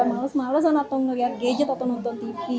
males males atau ngelihat gadget atau nonton tv